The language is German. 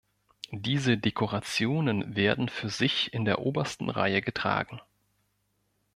Diese Dekorationen werden für sich in der obersten Reihe getragen.